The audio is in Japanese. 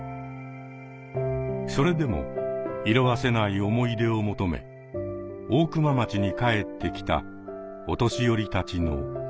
それでも色あせない思い出を求め大熊町に帰ってきたお年寄りたちの物語です。